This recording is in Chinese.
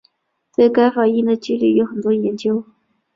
对该反应的机理有很多研究。